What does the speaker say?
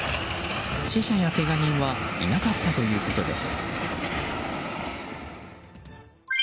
死者や、けが人はいなかったということです。